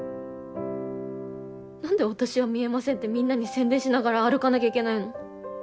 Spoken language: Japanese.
何で「私は見えません」ってみんなに宣伝しながら歩かなきゃいけないの？